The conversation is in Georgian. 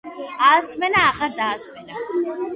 აასვენა აღარ დაასვენა